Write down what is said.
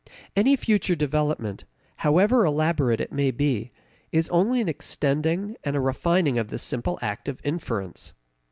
Any future development, however elaborate it may be, is only an extending and a refining of this simple act of inference.